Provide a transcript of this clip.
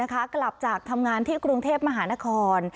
กลับจากทำงานที่กรุงเทพมหานคร